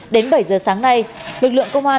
đến bảy giờ sáng nay lực lượng công an